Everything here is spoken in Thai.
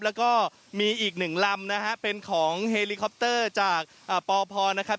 แล้วก็มีอีก๑ลำนะครับเป็นของเฮลิคอปต์เตอร์จากอกภนะครับ